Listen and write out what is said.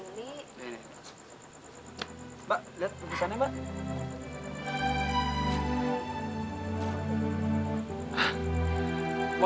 mbak lihat tulisannya mbak